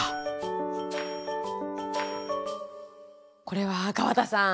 これは川田さん